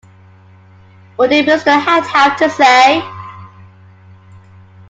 What did Mr. Haight have to say?